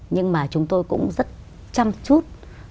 nhưng mà chúng tôi cũng rất chăm chút